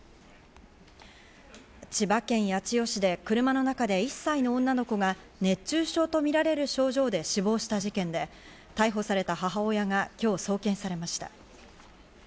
千葉県八千代市で車の中で１歳の女の子が熱中症とみられる症状で死亡した事件で、逮捕された母親が今日、送検されました。